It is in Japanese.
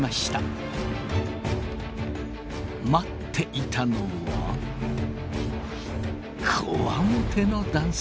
待っていたのはこわもての男性。